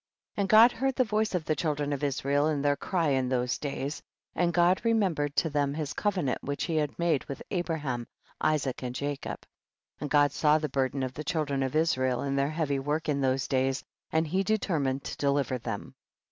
24. And God heard the voice of the children of Israel and their cry, in those days, and God remembered to them his covenant which he had made with Abraham, Isaac and Ja cob 25. And God saw the burden of the children of Israel, and their heavy work in those days, and he determined to deliver them.